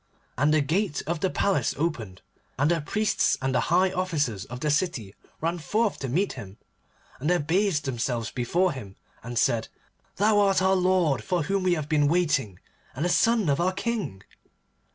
And the gate of the palace opened, and the priests and the high officers of the city ran forth to meet him, and they abased themselves before him, and said, 'Thou art our lord for whom we have been waiting, and the son of our King.